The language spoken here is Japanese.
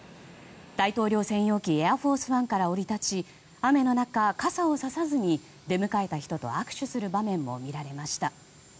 大統領専用機「エアフォースワン」から降り立ち雨の中、傘をささずに出迎えた人と握手する場面も見られました。